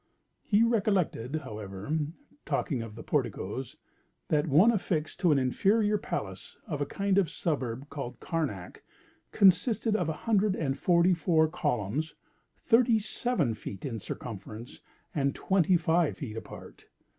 He recollected, however, (talking of the porticoes,) that one affixed to an inferior palace in a kind of suburb called Carnac, consisted of a hundred and forty four columns, thirty seven feet in circumference, and twenty five feet apart.